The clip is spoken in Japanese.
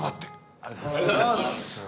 ありがとうございます！